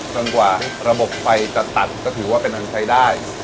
กว่าระบบไฟจะตัดก็ถือว่าเป็นอันใช้ได้